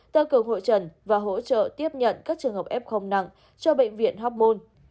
tăng cường hội trần và hỗ trợ tiếp nhận các trường hợp f nặng cho bệnh viện hóc môn